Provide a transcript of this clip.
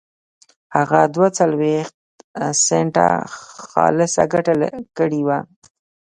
هغه دوه څلوېښت سنټه خالصه ګټه کړې وه